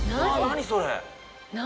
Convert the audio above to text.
何それ。